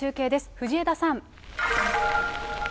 藤枝さん。